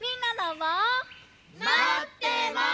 まってます！